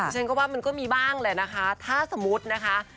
ฉันก็ว่ามันก็มีบ้างแหละนะคะถ้าสมมุตินะคะ